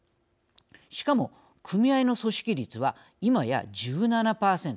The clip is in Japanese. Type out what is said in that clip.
しかも、組合の組織率は今や１７％。